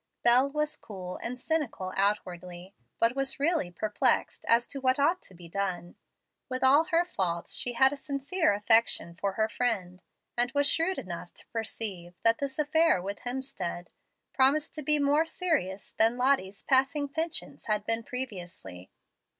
Bel was cool and cynical outwardly, but was really perplexed as to what ought to be done. With all her faults she had a sincere affection for her friend, and was shrewd enough to perceive that this affair with Hemstead promised to be more serious than Lottie's passing penchants had been previously.